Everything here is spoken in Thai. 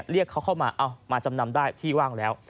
เรียกเขาเข้ามาเอามาจำนำได้ที่ว่างแล้ว